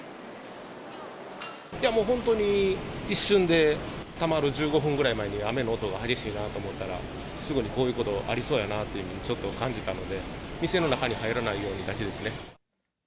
本当に一瞬で、たまる１５分くらい前に雨の音が激しいなと思ったら、すぐにこういうことありそうやなってちょっと感じたので、店の中に入らないようにだけですね。